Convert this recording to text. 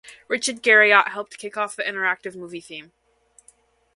Richard Garriott helped kick off the Interactive Movie theme.